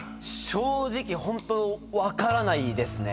正直分からないですね。